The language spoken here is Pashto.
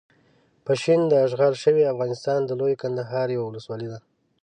پشین داشغال شوي افغانستان د لويې کندهار یوه ولسوالۍ ده.